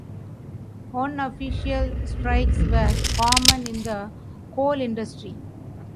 Unofficial strikes were common in the coal industry.